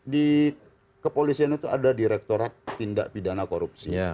di kepolisian itu ada direktorat tindak pidana korupsi